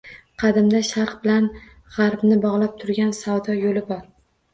Qadimda sharq bilan gʻarbni boʻgʻlab turgan savdo yoʻli bor.